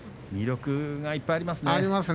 魅力がいっぱいありますね。